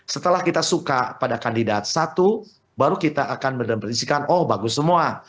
setelah kita suka pada kandidat satu baru kita akan mendepertisikan oh bagus semua